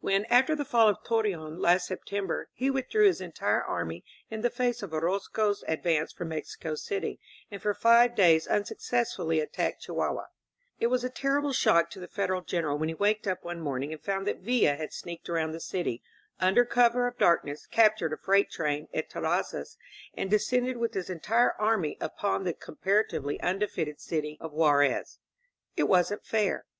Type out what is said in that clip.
When, after the fall of Torreon last September, he withdrew his entire army in the face of Orozco's ad vance from Mexico City and for five days unsuccess fully attacked Chihuahua, it was a terrible shock to the Federal General when he waked up one morning and found that Villa had sneaked around the city under cover of darkness, captured a freight train at Ter razzas and descended with his entire army upon the 141 INSURGENT MEXICO comparatively undefended city of Juarez. It wasn't fair!